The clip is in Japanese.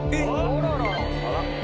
あらら。